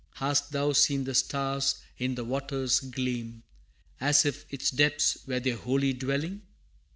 Hast thou seen the stars in the water's gleam, As if its depths were their holy dwelling?